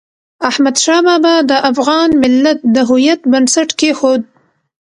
احمد شاه بابا د افغان ملت د هویت بنسټ کېښود.